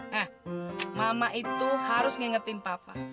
nah mama itu harus ngingetin papa